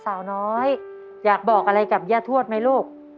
สาวน้อยอยากบอกอะไรกับย่าทวดไหมลูก